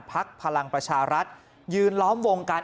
ภักดิ์พลังประชารัฐยืนล้อมวงการ